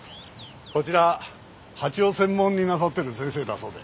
こちら蜂を専門になさってる先生だそうで。